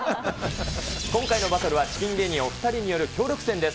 今回のバトルはチキン芸人お２人による協力戦です。